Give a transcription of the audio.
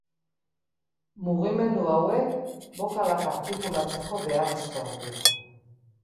Mugimendu hauek bokalak artikulatzeko beharrezkoak dira.